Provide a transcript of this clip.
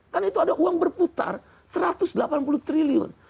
karena itu ada uang berputar satu ratus delapan puluh triliun